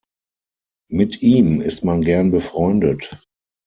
Mit ihm ist man gern befreundet.